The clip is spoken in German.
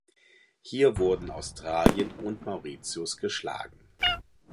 Hier wurden Australien und Mauritius geschlagen.